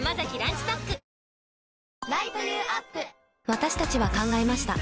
私たちは考えました